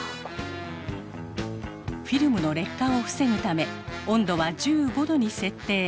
フィルムの劣化を防ぐため温度は１５度に設定。